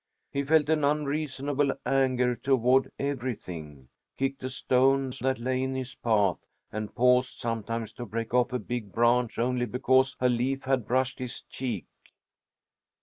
He felt an unreasonable anger toward everything, kicked at stones that lay in his path, and paused sometimes to break off a big branch only because a leaf had brushed his cheek.